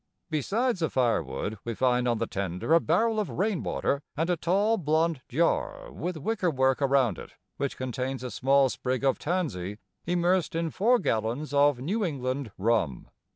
Besides the firewood we find on the tender a barrel of rainwater and a tall, blonde jar with wicker work around it, which contains a small sprig of tansy immersed in four gallons of New England rum.